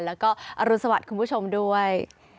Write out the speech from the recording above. แล้วก็อรุณสวัสดิ์คุณผู้ชมด้วย